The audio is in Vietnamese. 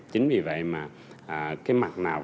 chính vì vậy mà cái mặt nào